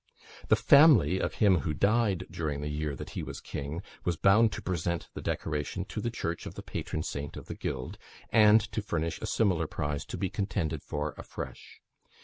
The family of him who died during the year that he was king, were bound to present the decoration to the church of the patron saint of the guild, and to furnish a similar prize to be contended for afresh.